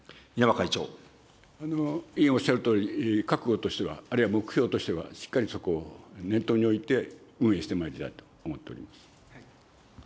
委員おっしゃるとおり、覚悟としては、あるいは目標としては、しっかりそこを念頭に置いて運営してまいりたいと思っております。